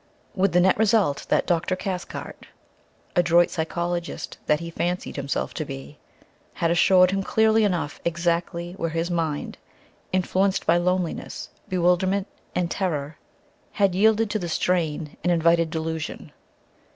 With the net result that Dr. Cathcart, adroit psychologist that he fancied himself to be, had assured him clearly enough exactly where his mind, influenced by loneliness, bewilderment and terror, had yielded to the strain and invited delusion.